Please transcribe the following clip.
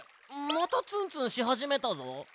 またツンツンしはじめたぞ。